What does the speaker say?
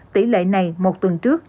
tỷ lệ này một tuần trước